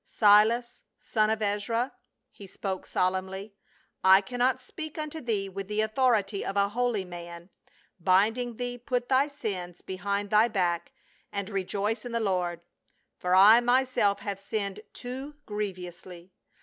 " Silas, son of Ezra," he said solemnly, " I cannot speak unto thee with the authority of a holy man, bidding thee put thy sins behind thy back and rejoice in the Lord, for I myself have sinned too grievously.